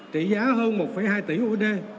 trị giá hơn một hai tỷ usd